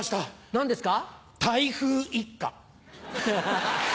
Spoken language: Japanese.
何ですか？